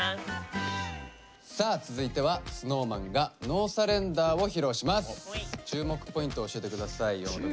さあ続いてはＳｎｏｗＭａｎが注目ポイントを教えて下さい岩本くん。